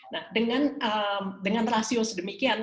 nah dengan rasio sedemikian